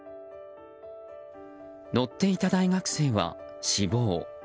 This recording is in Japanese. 乗っていた大学生は死亡。